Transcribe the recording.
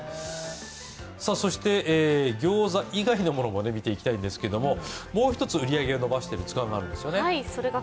そして、ギョウザ以外のものも見ていきたいんですけど、もう一つ売り上げを伸ばしている図鑑があるんですよね。